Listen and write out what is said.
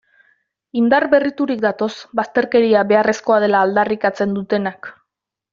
Indar berriturik datoz bazterkeria beharrezkoa dela aldarrikatzen dutenak.